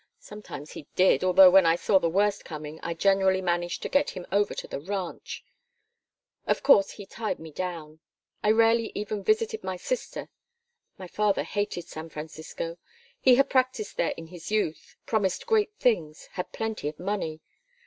Sometimes he did, although when I saw the worst coming I generally managed to get him over to the ranch. Of course it tied me down. I rarely even visited my sister. My father hated San Francisco. He had practised there in his youth, promised great things, had plenty of money.